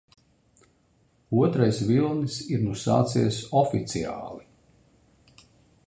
Otrais vilnis ir nu sācies oficiāli.